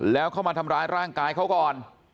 แล้วเข้ามาทำร้ายร่างกายเขาก่อน